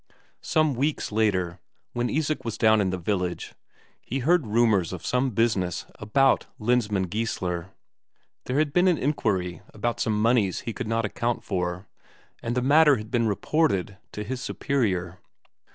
Some weeks later, when Isak was down in the village, he heard rumours of some business about Lensmand Geissler; there had been an inquiry about some moneys he could not account for, and the matter had been reported to his superior.